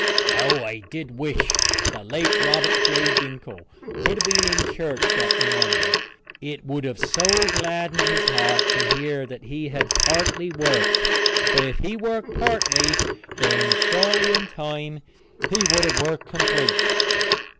'" How I did wish the late Robert J. Dinkle could have been in church that morning. It would have so gladdened his heart to hear that he had partly worked, for if he worked partly, then surely, in time, he would have worked complete.